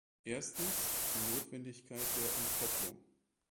Erstens, die Notwendigkeit der Entkopplung.